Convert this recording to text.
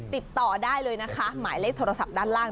ติดต่อได้เลยนะคะหมายเลขโทรศัพท์ด้านล่าง